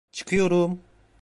Çıkıyorum!